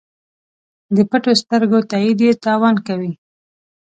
د پټو سترګو تایید یې تاوان کوي.